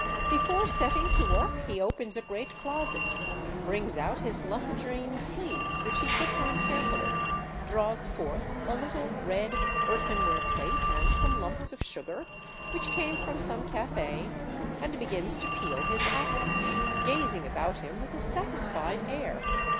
Before setting to work he opens a great closet, brings out his lustrine sleeves which he puts on carefully, draws forth a little, red earthen ware plate and some lumps of sugar, which came from some cafe, and begins to peel his apples, gazing about him with a satisfied air.